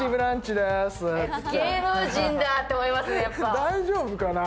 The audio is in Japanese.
大丈夫かな。